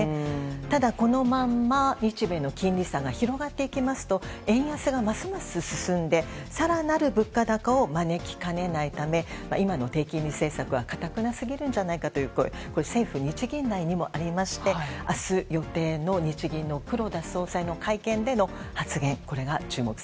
ただこのまま日米の金利差が広がっていきますと円安がますます進んで更なる物価高を招きかねないため今の低金利政策はかたくなすぎるんじゃないかという声政府・日銀内にもありまして明日予定の日銀の黒田総裁の会見での発言